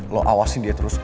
lo awasin dia terus